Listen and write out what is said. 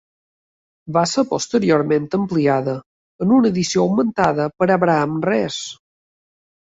Va ser posteriorment ampliada en una edició augmentada per Abraham Rees.